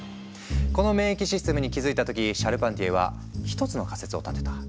この免疫システムに気付いた時シャルパンティエは一つの仮説を立てた。